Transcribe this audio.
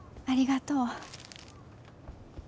ありがとう。